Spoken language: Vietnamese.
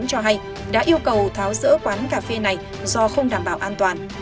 cho hay đã yêu cầu tháo rỡ quán cà phê này do không đảm bảo an toàn